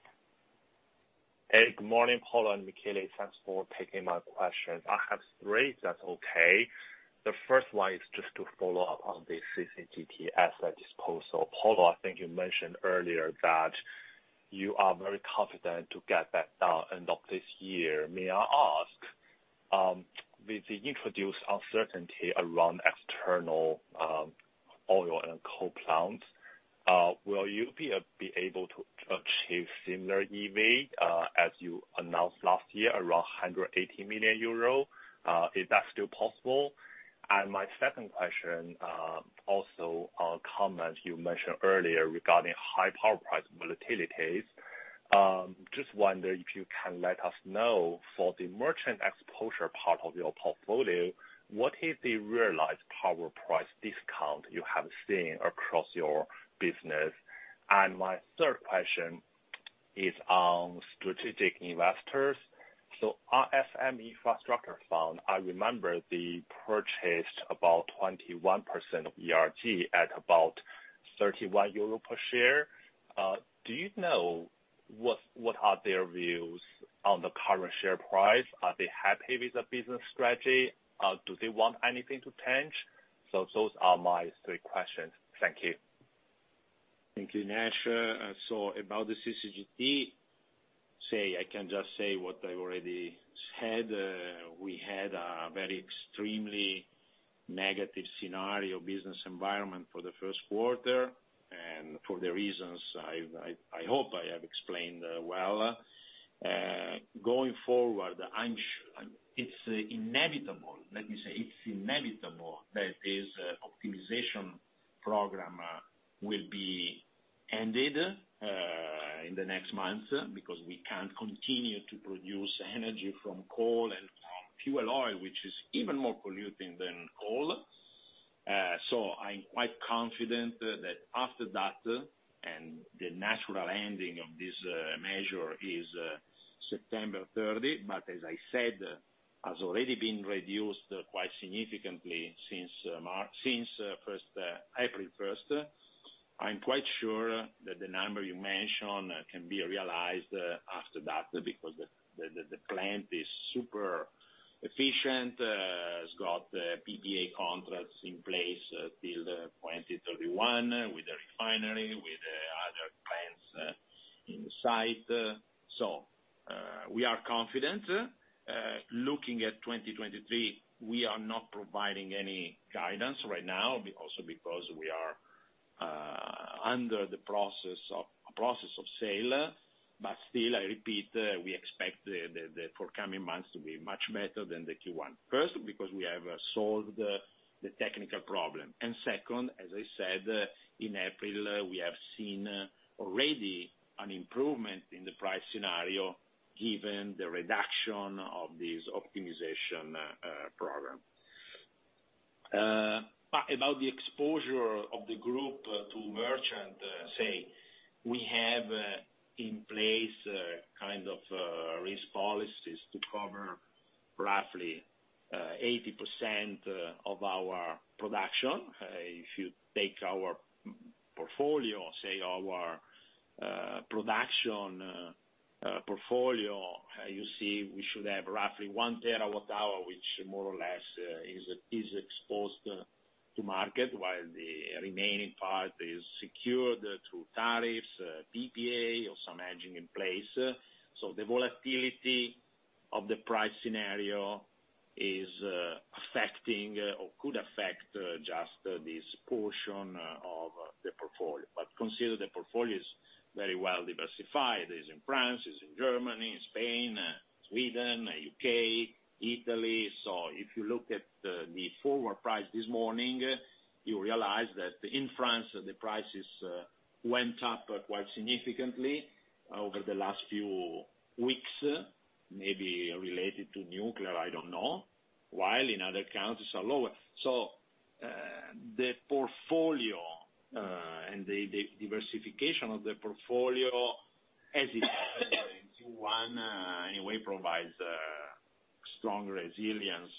Hey, good morning, Paolo and Michele. Thanks for taking my questions. I have three, if that's okay. The first one is just to follow up on the CCGT asset disposal. Paolo, I think you mentioned earlier that you are very confident to get that done end of this year. May I ask, with the introduced uncertainty around external oil and coal plants, will you be able to achieve similar EV as you announced last year, around 180 million euro? Is that still possible? My second question, also a comment you mentioned earlier regarding high power price volatilities. Just wonder if you can let us know, for the merchant exposure part of your portfolio, what is the realized power price discount you have seen across your business? My third question is on strategic investors. IFM Infrastructure Fund, I remember they purchased about 21% of ERG at about 31 euro per share. Do you know what are their views on the current share price? Are they happy with the business strategy? Do they want anything to change? Those are my 3 questions. Thank you. Thank you, Naisheng. About the CCGT, I can just say what I already said. We had a very extremely negative scenario business environment for the first quarter, for the reasons I hope I have explained well. Going forward, it's inevitable. Let me say, it's inevitable that this optimization program will be ended in the next months, because we can't continue to produce energy from coal and from fuel oil, which is even more polluting than coal. I'm quite confident that after that, the natural ending of this measure is September 30. As I said, has already been reduced quite significantly since April first. I'm quite sure that the number you mentioned can be realized after that, because the plant is super efficient. It's got the PPA contracts in place until 2031 with the refinery, with the other plants in sight. We are confident. Looking at 2023, we are not providing any guidance right now, also because we are under the process of sale. Still, I repeat, we expect the forthcoming months to be much better than the Q1. First, because we have solved the technical problem. Second, as I said, in April, we have seen already an improvement in the price scenario given the reduction of this optimization program. About the exposure of the group to merchant, say we have in place kind of risk policies to cover roughly 80% of our production. If you take our production portfolio, you see we should have roughly 1 terawatt hour, which more or less is exposed to market, while the remaining part is secured through tariffs, PPA or some hedging in place. The volatility of the price scenario is affecting or could affect just this portion of the portfolio. Consider the portfolio is very well diversified. It's in France, it's in Germany, Spain, Sweden, U.K/, Italy. If you look at the forward price this morning, you realize that in France, the prices went up quite significantly over the last few weeks, maybe related to nuclear, I don't know. While in other countries are lower. The portfolio and the diversification of the portfolio as is Q1, anyway, provides strong resilience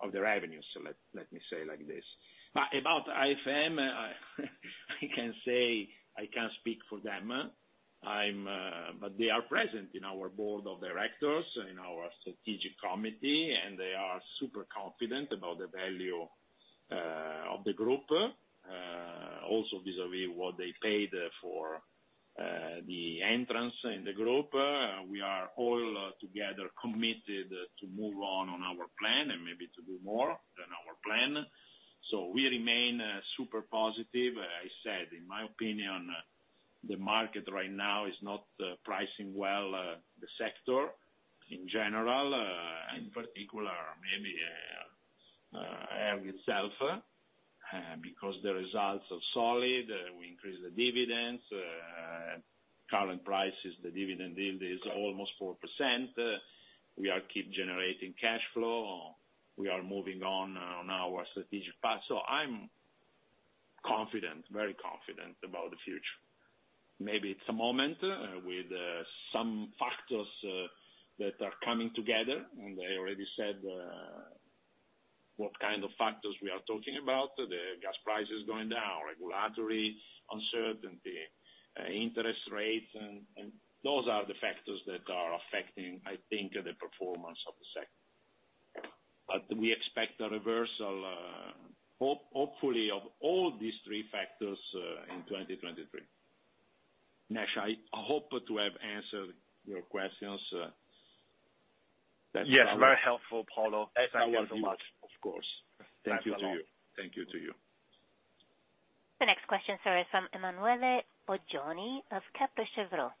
of the revenues. Let me say like this. About IFM, I can say I can't speak for them. They are present in our board of directors, in our strategic committee, and they are super confident about the value of the group also vis-à-vis what they paid for the entrance in the group. We are all together committed to move on on our plan, and maybe to do more than our plan. We remain super positive. I said, in my opinion, the market right now is not pricing well, the sector in general, and particular maybe Enel itself. Because the results are solid, we increase the dividends, current prices, the dividend yield is almost 4%. We are keep generating cash flow. We are moving on our strategic path. I'm confident, very confident about the future. Maybe it's a moment with some factors that are coming together, and I already said what kind of factors we are talking about. The gas prices going down, regulatory uncertainty, interest rates, and those are the factors that are affecting, I think, the performance of the sector. We expect a reversal, hopefully of all these three factors, in 2023. Lash, I hope to have answered your questions. That's all I- Yes, very helpful, Paolo. Thank you so much. Of course. Thanks a lot. Thank you to you. Thank you to you. The next question, sir, is from Emanuele Oggioni of Kepler Cheuvreux.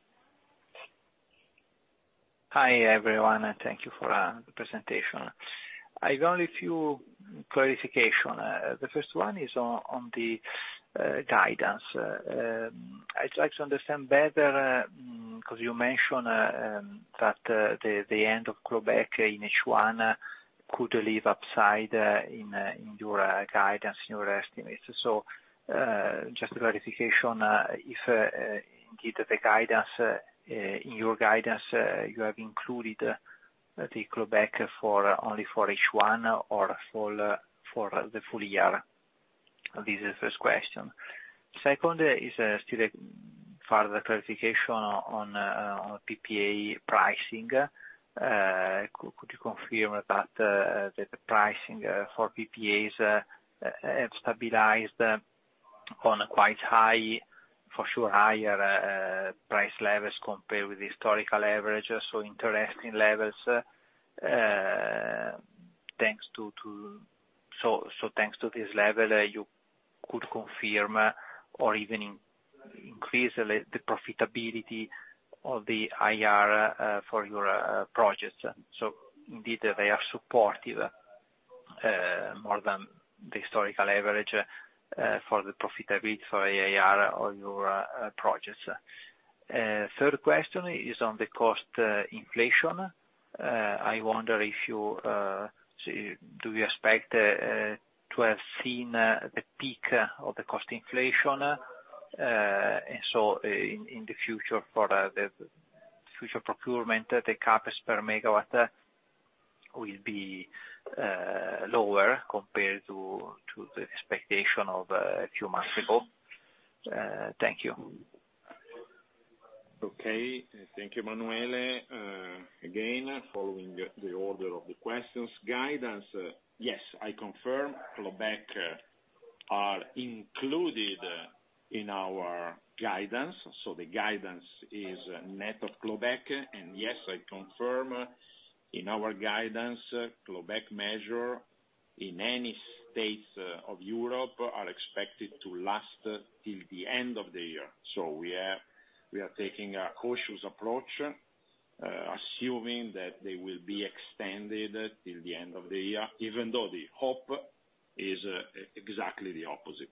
Hi, everyone, thank you for the presentation. I have only a few clarification. The first one is on the guidance. I'd like to understand better because you mentioned that the end of global in H1 could leave upside in your guidance, in your estimates. Just a clarification, if given the guidance in your guidance, you have included the global for only for H1 or for the full year? This is the first question. Second is still further clarification on PPA pricing. Could you confirm that the pricing for PPAs have stabilized on a quite high, for sure higher, price levels compared with historical averages, so interesting levels, thanks to... Thanks to this level, you could confirm or even increase the profitability of the IR for your projects. Indeed, they are supportive, more than the historical average, for the profitability for IR on your projects. Third question is on the cost inflation. I wonder if you say, do you expect to have seen the peak of the cost inflation, in the future for the future procurement, the CapEx per megawatt will be lower compared to the expectation of a few months ago? Thank you. Okay, thank you, Emanuele. Again, following the order of the questions. Guidance, yes, I confirm clawback are included in our guidance. The guidance is net of clawback. Yes, I confirm in our guidance, clawback measure in any states of Europe are expected to last till the end of the year. We are taking a cautious approach, assuming that they will be extended till the end of the year, even though the hope is exactly the opposite.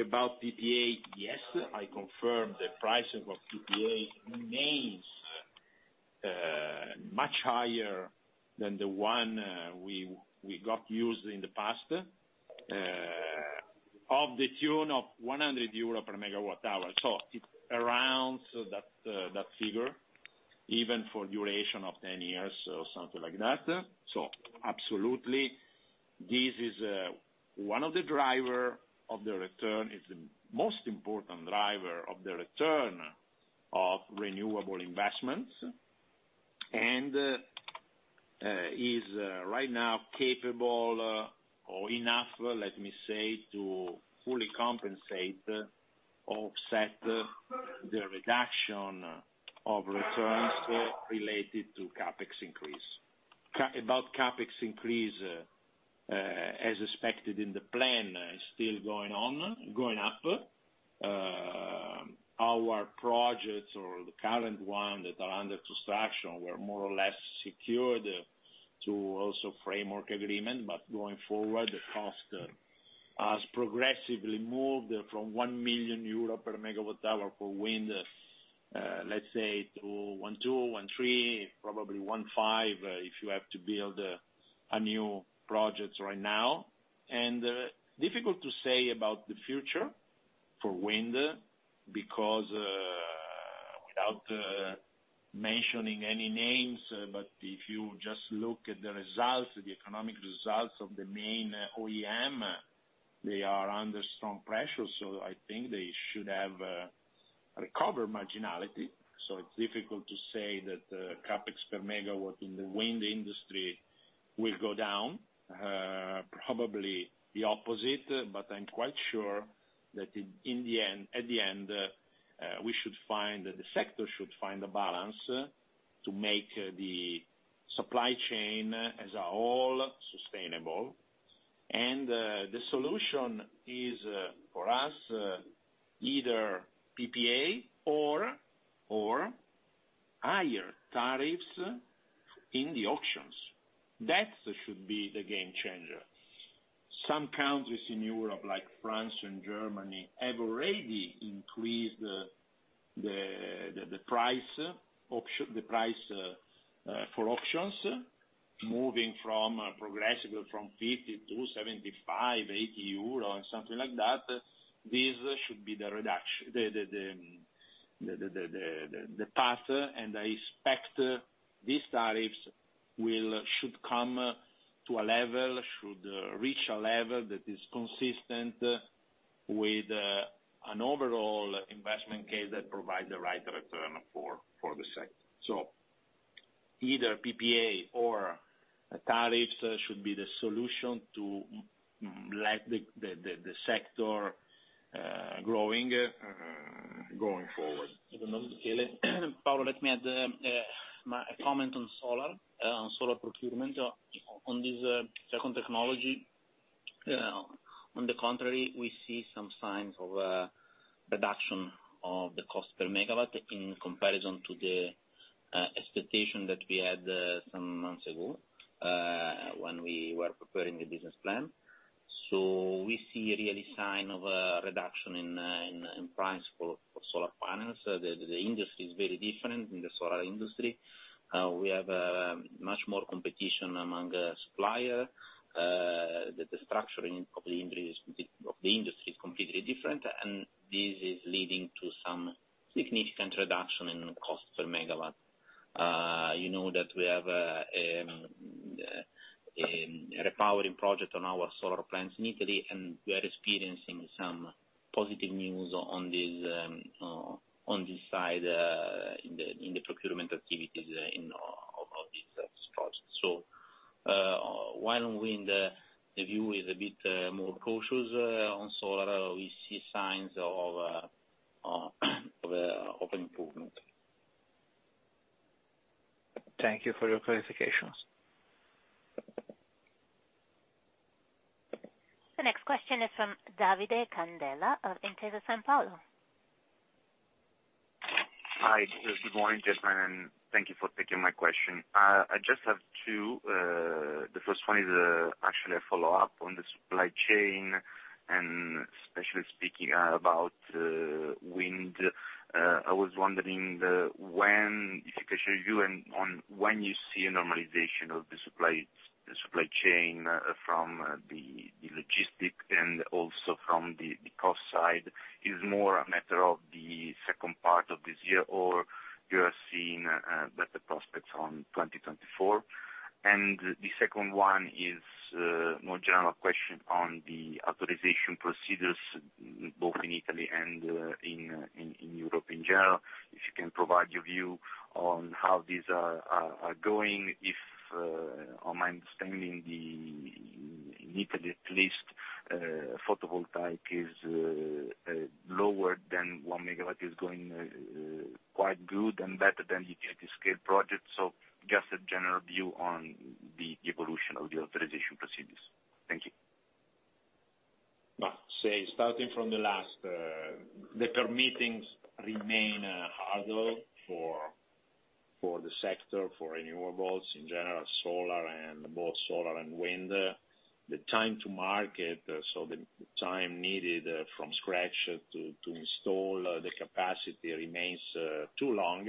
About PPA, yes, I confirm the pricing of PPA remains much higher than the one we got used in the past, of the tune of 100 euro per megawatt hour. It's around that figure, even for duration of 10 years or something like that. Absolutely, this is one of the driver of the return. It's the most important driver of the return of renewable investments, is right now capable or enough, let me say, to fully compensate or offset the reduction of returns related to CapEx increase. About CapEx increase, as expected in the plan, is still going on, going up. Our projects or the current one that are under construction were more or less secured to also framework agreement, but going forward, the cost has progressively moved from 1 million euro per megawatt hour for wind, let's say to 1.2, 1.3, probably 1.5, if you have to build a new project right now. Difficult to say about the future for wind because, without mentioning any names, but if you just look at the results, the economic results of the main OEM, they are under strong pressure, so I think they should have recovered marginality. It's difficult to say that CapEx per megawatt in the wind industry will go down. Probably the opposite, but I'm quite sure that in the end, at the end, the sector should find a balance to make the supply chain as a whole sustainable. The solution is for us, either PPA or higher tariffs in the auctions. That should be the game changer. Some countries in Europe, like France and Germany, have already increased the price auction, the price for auctions, moving from progressively from 50 to 75, 80 euro or something like that. This should be the path, and I expect these tariffs will should come to a level, should reach a level that is consistent with an overall investment case that provides the right return for the sector. Either PPA or tariffs should be the solution to let the sector growing going forward. I don't know, Michele. Paolo, let me add my comment on solar procurement. On this second technology, on the contrary, we see some signs of reduction of the cost per megawatt in comparison to the expectation that we had some months ago, when we were preparing the business plan. We see really sign of a reduction in price for solar panels. The industry is very different in the solar industry. We have much more competition among the supplier. The structuring of the industry is completely different, and this is leading to some significant reduction in cost per megawatt. You know that we have a repowering project on our solar plants in Italy, and we are experiencing some positive news on this side, in the procurement activities of this project. While the view is a bit more cautious on solar, we see signs of improvement. Thank you for your clarifications. The next question is from Davide Candela of Intesa Sanpaolo. Hi. Good morning, gentlemen. Thank you for taking my question. I just have two. The first one is actually a follow-up on the supply chain and especially speaking about wind. I was wondering when you see a normalization of the supply chain from the logistic and also from the cost side. Is more a matter of the second part of this year or you are seeing better prospects on 2024? The second one is a more general question on the authorization procedures both in Italy and in Europe in general. If you can provide your view on how these are going. If on my understanding the Italy at least photovoltaic is lower than 1 MW, is going quite good and better than utility scale projects. Just a general view on the evolution of the authorization procedures. Thank you. Say, starting from the last, the permit things remain harder for the sector, for renewables in general, solar and both solar and wind. The time to market, so the time needed, from scratch to install the capacity remains too long,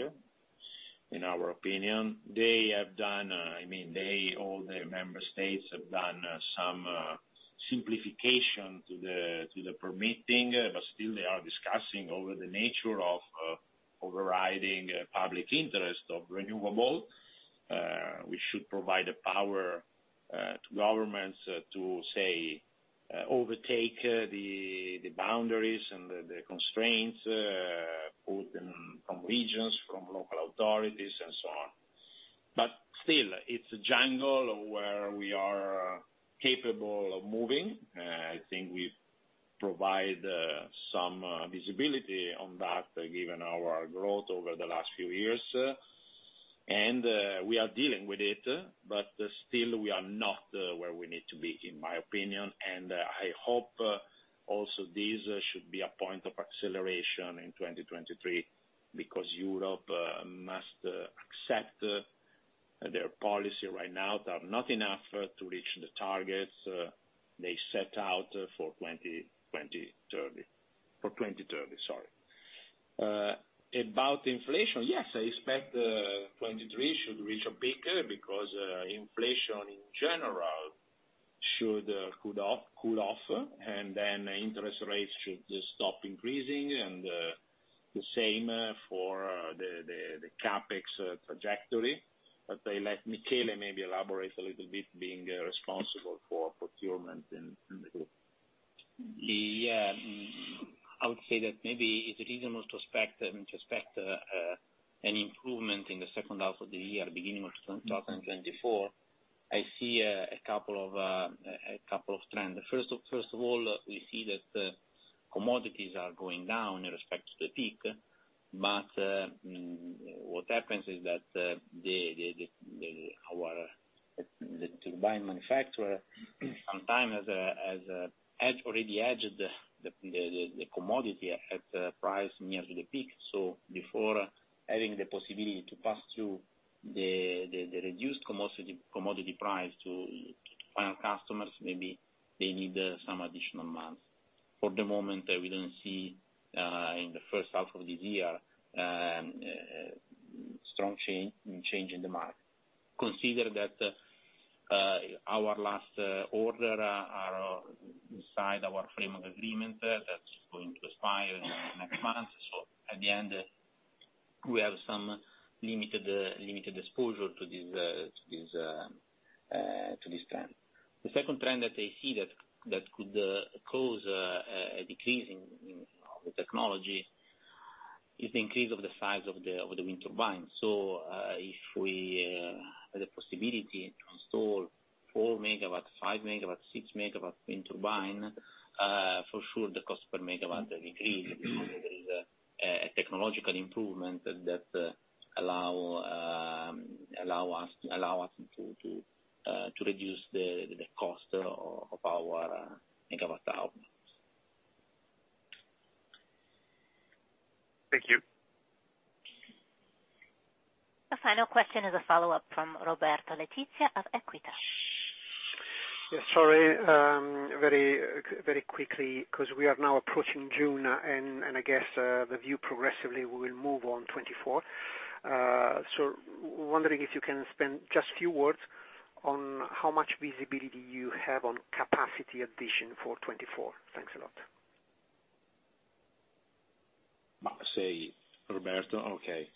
in our opinion. They have done, I mean, they, all the member states have done some simplification to the, to the permitting, still they are discussing over the nature of overriding public interest of renewable, which should provide the power to governments to say, overtake the boundaries and the constraints put in from regions, from local authorities and so on. Still, it's a jungle where we are capable of moving. I think we've provide some visibility on that, given our growth over the last few years. We are dealing with it, but still we are not where we need to be, in my opinion. I hope also this should be a point of acceleration in 2023, because Europe must accept their policy right now. They are not enough to reach the targets they set out for 2030. For 2030, sorry. About inflation, yes, I expect 2023 should reach a peak because inflation in general should cool off, and then interest rates should stop increasing and the same for the CapEx trajectory. I let Michele maybe elaborate a little bit, being responsible for procurement in the group. Yeah. I would say that maybe it's reasonable to expect an improvement in the second half of the year, beginning of 2024. I see a couple of trends. First of all, we see that commodities are going down in respect to the peak. What happens is that the buying manufacturer sometimes as a edge, already edged the commodity at a price near to the peak. Before having the possibility to pass through the reduced commodity price to final customers, maybe they need some additional months. For the moment, we don't see in the first half of this year strong change in the market. Consider that our last order are inside our frame of agreement that's going to expire in the next months. At the end, we have some limited exposure to this to this to this trend. The second trend that I see that could cause a decrease in our technology is the increase of the size of the wind turbine. If we have the possibility to install 4 MW, 5 MW, 6 MW wind turbine, for sure the cost per megawatt will decrease. There is a technological improvement that allow us to reduce the cost of our megawatt output. Thank you. The final question is a follow-up from Roberto Letizia of Equita. Yeah, sorry. Very quickly, 'cause we are now approaching June, and I guess the view progressively will move on 2024. Wondering if you can spend just a few words on how much visibility you have on capacity addition for 2024. Thanks a lot. Roberto. Okay.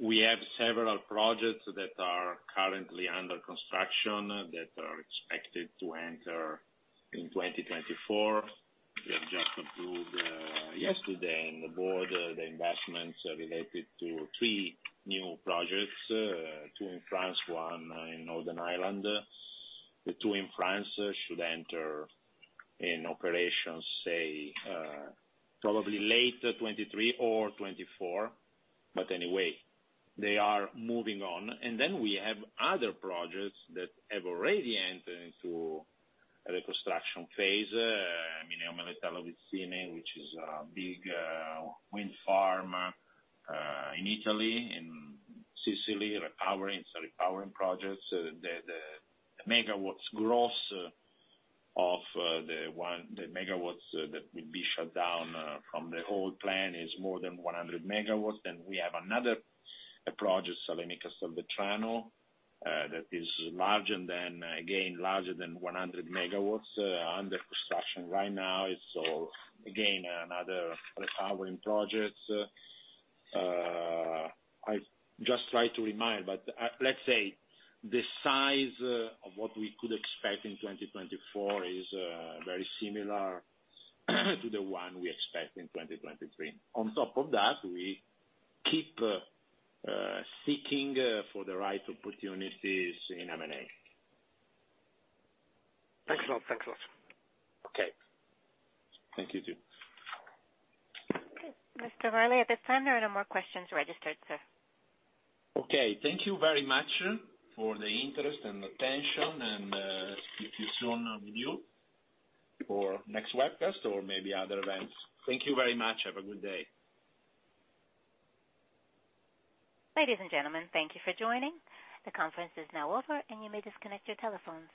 We have several projects that are currently under construction that are expected to enter in 2024. We have just approved yesterday in the board, the investments related to three new projects, two in France, one in Northern Ireland. The two in France should enter in operations probably late 2023 or 2024. Anyway, they are moving on. We have other projects that have already entered into a reconstruction phase. I mean, which is a big wind farm in Italy, in Sicily, recovering, it's a recovering project. The megawatts gross of the megawatts that will be shut down from the whole plan is more than 100 MW. We have another project, Salemi-Castelvetrano, that is larger than, again, larger than 100 MW, under construction right now. It's, again, another recovering project. I just try to remind, let's say the size of what we could expect in 2024 is very similar to the one we expect in 2023. On top of that, we keep seeking for the right opportunities in M&A. Thanks a lot. Thanks a lot. Okay. Thank you too. Mr. Merli, at this time, there are no more questions registered, sir. Okay. Thank you very much for the interest and attention and, speak to you soon on the view for next webcast or maybe other events. Thank you very much. Have a good day. Ladies and gentlemen, thank you for joining. The conference is now over, and you may disconnect your telephones.